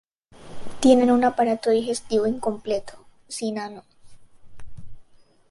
Tienen un aparato digestivo incompleto, sin ano.